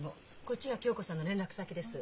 こっちが恭子さんの連絡先です。